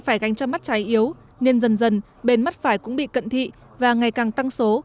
phải gánh cho mắt trái yếu nên dần dần bên mắt phải cũng bị cận thị và ngày càng tăng số